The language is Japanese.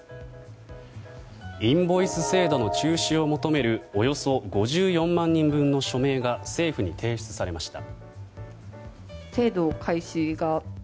インボイス制度の中止を求めるおよそ５４万人分の署名が政府に提出されました。